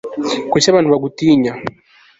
Kuki abantu bagutinya